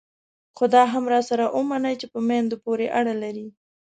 خو دا هم راسره ومنئ چې په میندو پورې اړه لري.